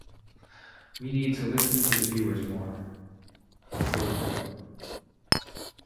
We need to listen to the viewers more.